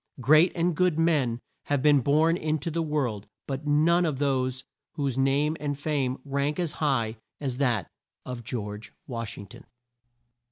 Great and good men have been born in to the world, but none whose name and fame rank as high as that of GEORGE WASH ING TON.